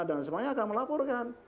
dan semuanya akan melaporkan